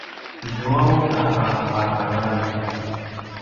izua uta a pakangaljen